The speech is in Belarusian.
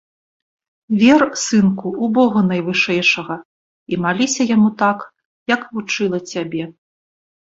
Вер, сынку, у бога найвышэйшага і маліся яму так, як вучыла цябе.